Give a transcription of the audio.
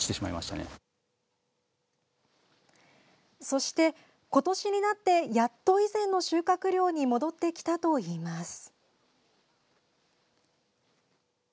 そして、今年になってやっと以前の収穫量に戻ってきたといいます。